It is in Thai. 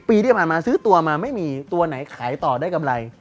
ปีที่ผ่านมาซื้อตัวมาไม่มีตัวไหนขายต่อได้กำไร